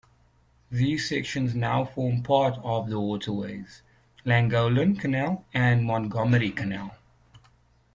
These sections now form part of the waterways: Llangollen Canal and Montgomery Canal.